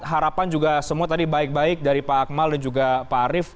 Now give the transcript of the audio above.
harapan juga semua tadi baik baik dari pak akmal dan juga pak arief